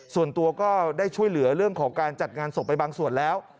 ส่วนตัวก็ได้ช่วยเหลือเรื่องของการจัดงานศพไปบางส่วนแล้ว